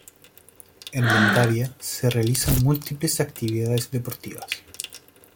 En Mendavia se realizan múltiples actividades deportivas.